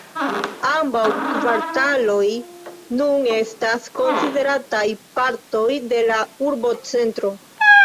Ambaŭ kvartaloj nun estas konsiderataj partoj de la urbocentro.